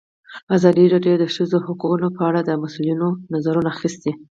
ازادي راډیو د د ښځو حقونه په اړه د مسؤلینو نظرونه اخیستي.